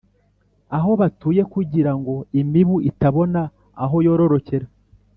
aho batuye kugirango imibu itabona aho yororokera.